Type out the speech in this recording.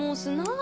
あ！